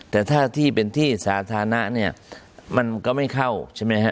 แต่ถ้าที่เป็นที่สาธารณะเนี่ยมันก็ไม่เข้าใช่ไหมฮะ